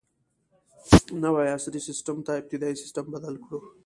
نوي عصري سیسټم ته ابتدايي سیسټم بدل کړو.